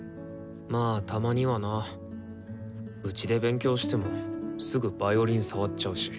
まあたまにはな。うちで勉強してもすぐヴァイオリン触っちゃうし。